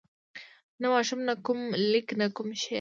نه ماشوم نه کوم لیک نه کوم شعر.